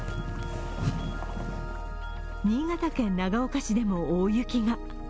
新潟県長岡市でも大雪が。